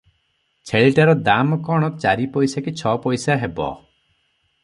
"ଛେଳିଟାର ଦାମ କଣ ଚାରି ପଇସା କି ଛଅ ପଇସା ହେବ ।"